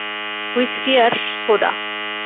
Whisky আর soda.